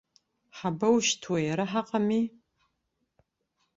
Ҳабоушьҭуеи, ара ҳаҟами.